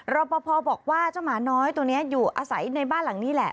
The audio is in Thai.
รอปภบอกว่าเจ้าหมาน้อยตัวนี้อยู่อาศัยในบ้านหลังนี้แหละ